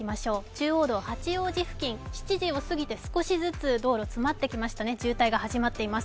中央道八王子付近、７時を過ぎて少しずつ道路詰まってきましたね、渋滞が始まっています。